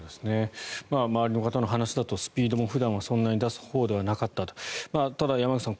周りの方の話だとスピードは普段そんなに出すほうではなかったとただ山口さん